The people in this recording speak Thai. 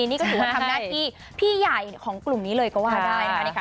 นี่ก็ถือว่าทำหน้าที่พี่ใหญ่ของกลุ่มนี้เลยก็ว่าได้นะคะ